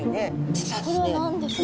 実はですね。